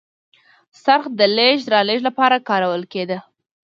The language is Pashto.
څرخ د لېږد رالېږد لپاره کارول کېده.